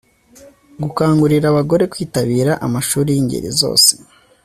gukangurira abagore kwitabira amashuri y'ingeri zose